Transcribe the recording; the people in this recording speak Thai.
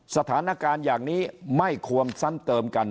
สถานการณ์อย่างนี้ไม่ควรซ้ำเติมกัน